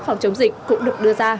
phòng chống dịch cũng được đưa ra